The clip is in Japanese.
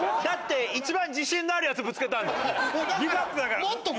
だって一番自信のあるやつぶつけたんだもん。